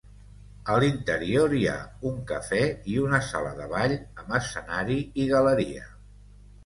A l'interior hi ha un cafè i una sala de ball amb escenari i galeria.